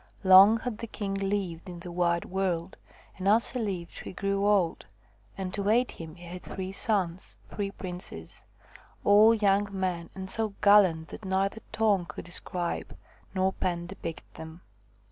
Long had the king lived in the white world, and as he lived he grew old, and to aid him he had three sons, three princes all young men and so gallant that neither tongue could describe nor pen depict them.